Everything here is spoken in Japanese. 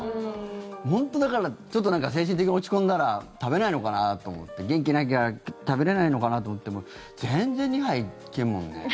本当にだからちょっと精神的に落ち込んだら食べないのかなと思って元気なきゃ食べれないのかなと思っても全然２杯いけるもんね。